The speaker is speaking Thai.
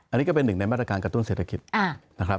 อันนี้ก็เป็นหนึ่งในมาตรการกระตุ้นเศรษฐกิจนะครับ